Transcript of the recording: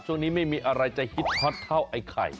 ช่วงนี้ไม่มีอะไรจะฮิตฮอตเท่าไอ้ไข่